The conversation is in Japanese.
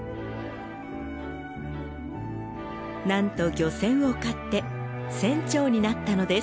なんと漁船を買って船長になったのです。